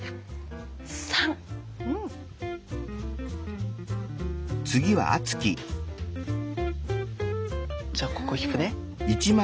３。じゃあここ引くね。